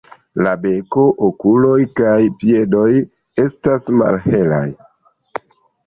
La beko, okuloj kaj piedoj estas malhelaj.